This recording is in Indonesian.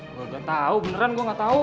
gua ga tau beneran gua ga tau